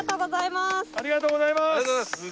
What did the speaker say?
ありがとうございます。